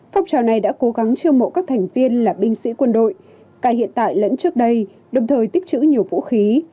phong trào này đã cố gắng chiêu mộ các thành viên là binh sĩ quân đội ca hiện tại lẫn trước đây đồng thời tích chữ nhiều vũ khí